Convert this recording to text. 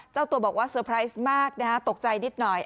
เจ้าตัวบอกว่าเซอร์ไพรส์มากนะฮะตกใจนิดหน่อย